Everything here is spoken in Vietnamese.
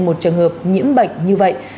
một trường hợp nhiễm bệnh như vậy